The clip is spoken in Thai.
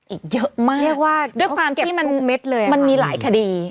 อีกเยอะมากเพราะมันมีหลายคดี